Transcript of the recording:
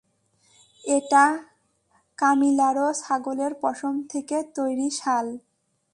এটা কামিলারো ছাগলের পশম থেকে তৈরি শাল।